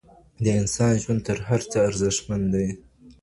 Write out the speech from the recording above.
د انسان ژوند تر هر څه ارزښتمن دی.